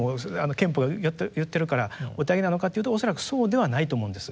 憲法言ってるからお手上げなのかっていうと恐らくそうではないと思うんです。